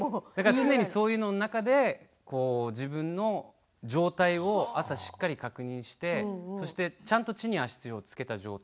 常にそんな中で自分の状態を朝しっかり確認してちゃんと地に足をつけた状態